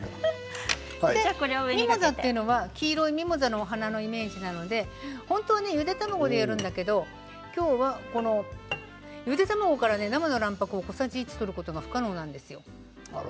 ミモザというのは黄色いミモザのお花のイメージなので本当はゆで卵でやるんだけど今日は、このゆで卵から生の卵白を小さじ１取ることが不可能なんですよ。